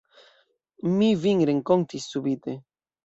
Mi vin renkontis subite.